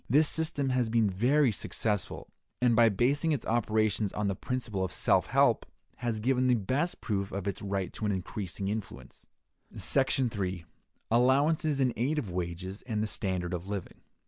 This system has been very successful, and, by basing its operations on the principle of self help, has given the best proof of its right to an increasing influence. § 3. Allowances in Aid of Wages and the Standard of Living.